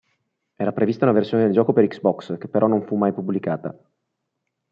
Era prevista una versione del gioco per Xbox, che però non fu mai pubblicata.